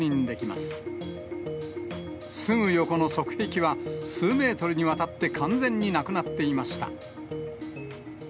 すぐ横の側壁は、数メートルにわたって完全になくなっていました。